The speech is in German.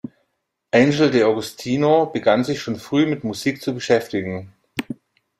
Angel D’Agostino begann sich schon früh mit Musik zu beschäftigen.